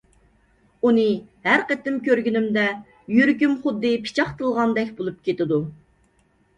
ئۇنى ھەر قېتىم كۆرگىنىمدە يۈرىكىم خۇددى پىچاق تىلغاندەك بولۇپ كېتىدۇ.